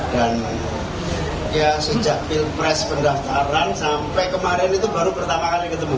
dan ya sejak pilpres pendaftaran sampai kemarin itu baru pertama kali ketemu